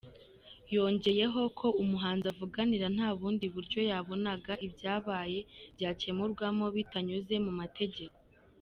" Yongeyeho ko umuhanzi avuganira nta bundi buryo yabonaga ibyabaye byakemurwamo bitanyuze mu mategeko.